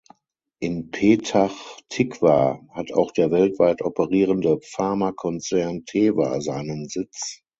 In Petach Tikwa hat auch der weltweit operierende Pharmakonzern Teva seinen Sitz.